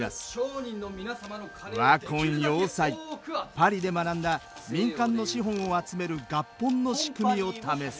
パリで学んだ民間の資本を集める合本の仕組みを試す。